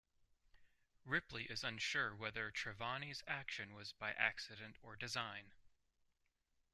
Ripley is unsure whether Trevanny's action was by accident or design.